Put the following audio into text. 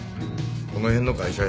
この辺の会社や？